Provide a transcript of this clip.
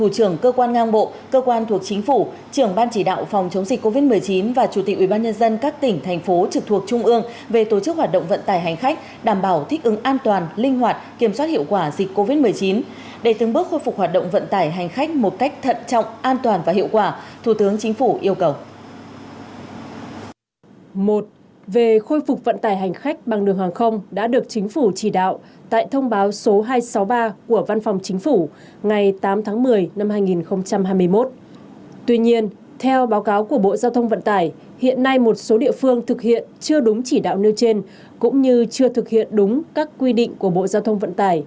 chưa đúng chỉ đạo nêu trên cũng như chưa thực hiện đúng các quy định của bộ giao thông vận tải